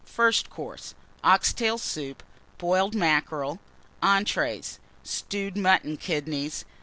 FIRST COURSE. Ox tail Soup. Boiled Mackerel. ENTREES. Stewed Mutton Kidneys.